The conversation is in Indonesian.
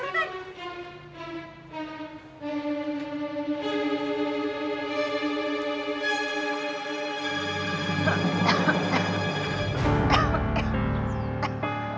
saya tidak bayar kontra kan